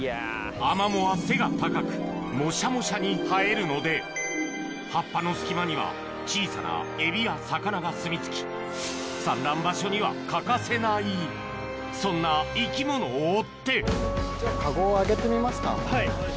アマモは背が高くもしゃもしゃに生えるので葉っぱの隙間には小さなエビや魚がすみ着き産卵場所には欠かせないそんな生き物を追ってはい。